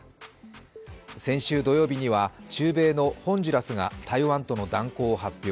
先週土曜日には中米のホンジュラスが台湾との断交を発表